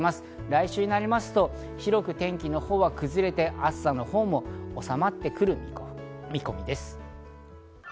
来週になりますと広く天気は崩れて、暑さも収まってくる見込みです。